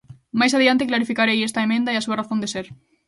Máis adiante clarificarei esta emenda e a súa razón de ser.